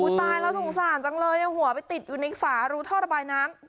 ตายแล้วสงสารจังเลยหัวไปติดอยู่ในฝารูท่อระบายน้ำ